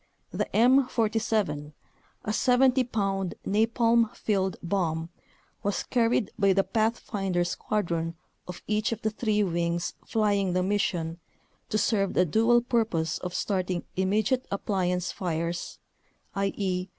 The M47, a 70 pound napalm filled bomb, was carried by the pathfinder squadron of each of the three wings flying the mission to serve the dual purpose of starting immediate "appliance" fires (i.e.